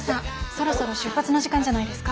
そろそろ出発の時間じゃないですか。